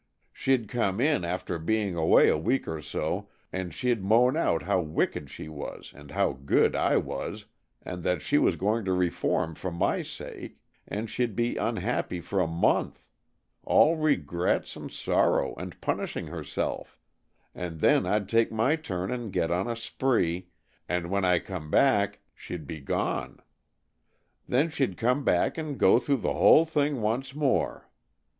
She'd come in after being away a week or so, and she'd moan out how wicked she was, and how good I was, and that she was going to reform for my sake, and she'd be unhappy for a month all regrets and sorrow and punishing herself and then I'd take my turn and get on a spree, and when I come back, she'd be gone. Then she'd come back and go through the whole thing once more.